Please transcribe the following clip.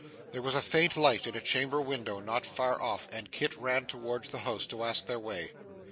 There was a faint light in a chamber window not far off, and Kit ran towards that house to ask their way.